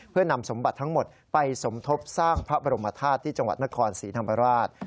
เพื่อนำสมบัติทั้งหมดไปสมทบสร้างพระบรมธาตุที่จังหวัดนครศรีธรรมราช